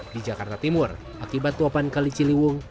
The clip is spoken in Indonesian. di jakarta timur akibat tuapan kali ciliwung